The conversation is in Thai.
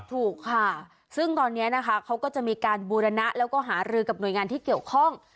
ถูกค่ะซึ่งตอนนี้นะคะเขาก็จะมีการบูรณะแล้วก็หารือกับหน่วยงานที่เกี่ยวข้อง